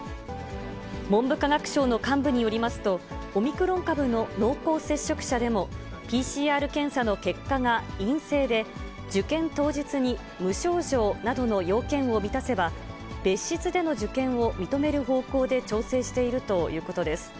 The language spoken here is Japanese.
文部科学省の幹部によりますと、オミクロン株の濃厚接触者でも、ＰＣＲ検査の結果が陰性で、受験当日に無症状などの要件を満たせば、別室での受験を認める方向で調整しているということです。